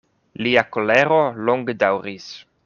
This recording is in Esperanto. Lia kolero longe daŭris.